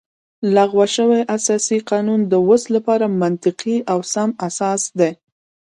لغوه شوی اساسي قانون د اوس لپاره منطقي او سم اساس دی